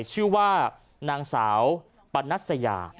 ชื่อว่านางสาวปนัสยา